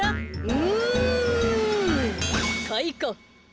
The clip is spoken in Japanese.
うんかいか。